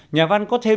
nhà văn có thêm